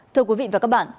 thưa quý vị và các bạn